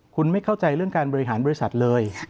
คุณไม่เข้าใจเรื่องการบริหารบริษัทเลย